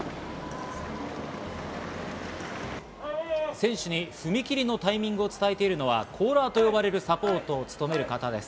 選手に踏み切りのタイミングを伝えているのはコーラーと呼ばれるサポートを務める方です。